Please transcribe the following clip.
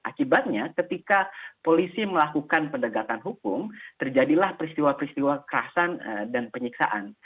akibatnya ketika polisi melakukan pendekatan hukum terjadilah peristiwa peristiwa kerasan dan penyiksaan